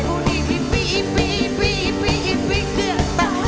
ปูนี่อิปปี่อิปปี่อิปปี่อิปปี่เกือบตาย